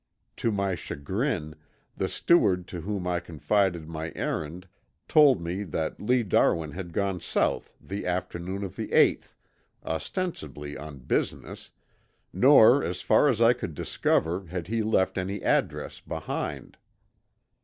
To my chagrin the steward to whom I confided my errand told me that Lee Darwin had gone South the afternoon of the eighth, ostensibly on business, nor as far as I could discover had he left any address behind.